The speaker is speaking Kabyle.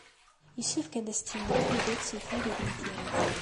Yessefk ad as-tinimt tidet i Farid n At Yiraten.